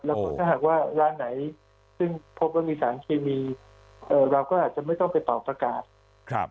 แล้วก็ถ้าหากว่าร้านไหนซึ่งพบว่ามีสารเคมีเอ่อเราก็อาจจะไม่ต้องไปเป่าประกาศครับ